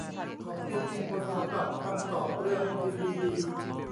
ขอบคุณทุกคนสำหรับคำตอบเรื่องพินบีบี